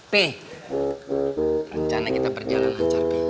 p rencana kita berjalan lancar p